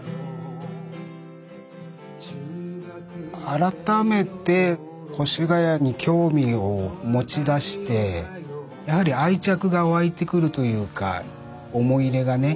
改めて越谷に興味を持ちだしてやはり愛着が湧いてくるというか思い入れがね